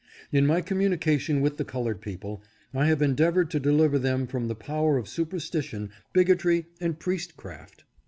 In my communication with the colored people I have endeavored to deliver them from the power of superstition, bigotry, and priest craft.